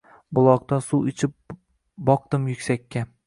Buloqdan suv ichib boqdim yuksakka…